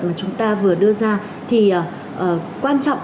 mà chúng ta vừa đưa ra thì quan trọng